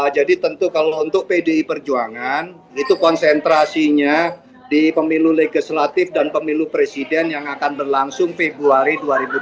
jadi tentu kalau untuk pdi perjuangan itu konsentrasinya di pemilu legislatif dan pemilu presiden yang akan berlangsung februari dua ribu dua puluh empat